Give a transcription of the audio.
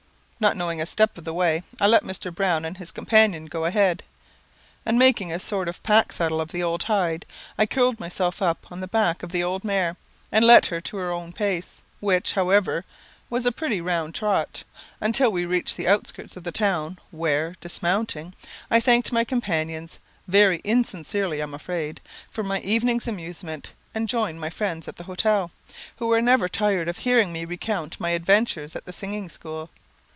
Not knowing a step of the way, I let Mr. Browne and his companion go a head; and making a sort of pack saddle of the old hide, I curled myself up on the back of the old mare, and left her to her own pace, which, however, was a pretty round trot, until we reached the outskirts of the town, where, dismounting, I thanked my companions, very insincerely I'm afraid, for my evening's amusement, and joined my friends at the hotel, who were never tired of hearing me recount my adventures at the singing school.